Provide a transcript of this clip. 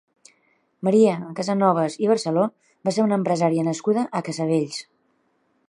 Maria Casanovas i Barceló va ser una empresària nascuda a Casavells.